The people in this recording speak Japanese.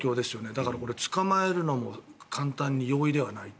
だからこれ捕まえるのも容易ではないと。